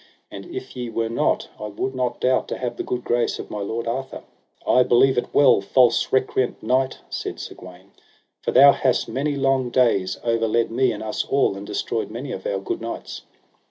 And if ye were not, I would not doubt to have the good grace of my lord Arthur. I believe it well, false recreant knight, said Sir Gawaine; for thou hast many long days overled me and us all, and destroyed many of our good knights.